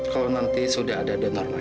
kalau nanti sudah ada dengar lagi